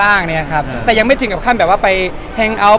พี่เห็นไอ้เทรดเลิศเราทำไมวะไม่ลืมแล้ว